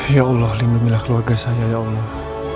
ya allah lindungilah keluarga saya ya allah